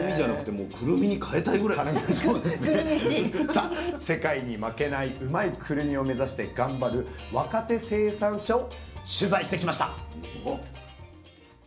さあ世界に負けないうまいくるみを目指して頑張る若手生産者を取材してきました。